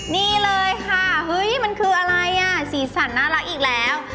นี่เลยค่ะเฮ้ยมันคืออะไรอ่ะสีสันน่ารักอีกแล้ว